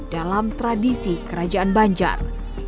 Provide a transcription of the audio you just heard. dalam tradisi kerajaan banjar